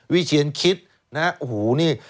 วิเชียนคิดโอ้โหนี่